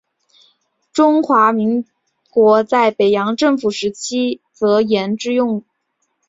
中华民国在北洋政府时期则沿用之。